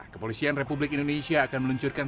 kepolisian republik indonesia akan meluncurkan